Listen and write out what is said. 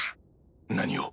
何を？